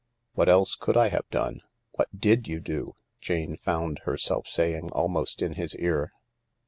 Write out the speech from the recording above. What else could I have done ?"" What did you do ?" Jane found herself saying, almost in his ear.